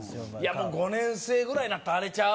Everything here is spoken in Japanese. もう５年生ぐらいになったらあれちゃう？